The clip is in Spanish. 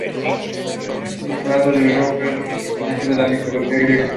Está nombrado por Glauca, un personaje de la mitología griega.